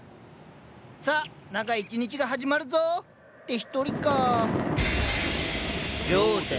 さあ長い１日が始まるぞ！って１人かあ。